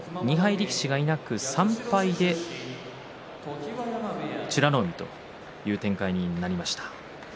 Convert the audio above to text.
力士がいなく３敗で美ノ海という展開になりました。